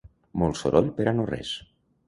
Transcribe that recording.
Molt soroll per a no res.